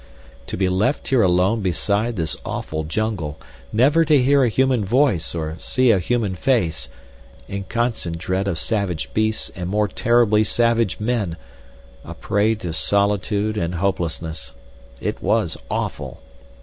To be left here alone beside this awful jungle—never to hear a human voice or see a human face—in constant dread of savage beasts and more terribly savage men—a prey to solitude and hopelessness. It was awful.